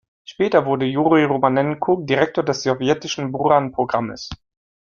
Später wurde Juri Romanenko Direktor des sowjetischen Buran-Programmes.